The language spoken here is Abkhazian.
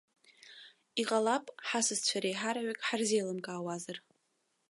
Иҟалап, ҳасасцәа реиҳараҩык ҳарзеилымкаауазар?